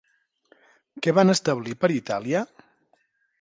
Què van establir per Itàlia?